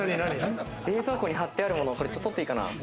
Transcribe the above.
冷蔵庫に貼ってあるものを取っていいかな？